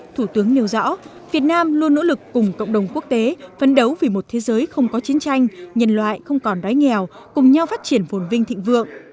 thủ tướng nêu rõ việt nam luôn nỗ lực cùng cộng đồng quốc tế phấn đấu vì một thế giới không có chiến tranh nhân loại không còn đói nghèo cùng nhau phát triển phồn vinh thịnh vượng